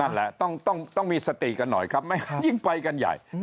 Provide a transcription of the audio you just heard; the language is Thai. นั่นแหละต้องมีสติกันหน่อยครับยิ่งไปกันใหญ่